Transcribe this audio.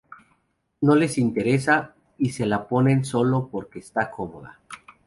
No les interesa, y se la ponen sólo porque está de moda"".